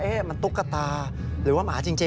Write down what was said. มันตุ๊กตาหรือว่าหมาจริง